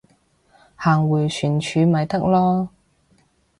行迴旋處咪得囉